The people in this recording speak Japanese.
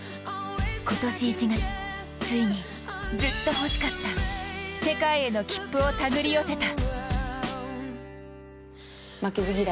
今年１月、ついにずっとほしかった世界への切符を手繰り寄せた。